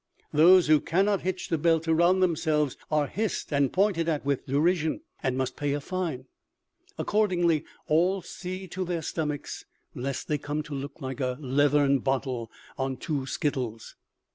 Those who cannot hitch the belt around themselves, are hissed, are pointed at with derision, and must pay a fine. Accordingly, all see to their stomachs lest they come to look like a leathern bottle on two skittles."